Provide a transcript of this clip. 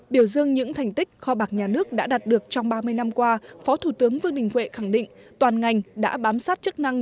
biểu dương những thành tích kho bạc nhà nước đã đạt được trong ba mươi năm qua phó thủ tướng vương đình huệ khẳng định toàn ngành đã bám sát chức năng